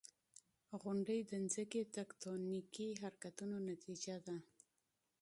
• غونډۍ د ځمکې د تکتونیکي حرکتونو نتیجه ده.